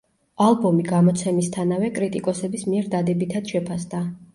ალბომი გამოცემისთანავე კრიტიკოსების მიერ დადებითად შეფასდა.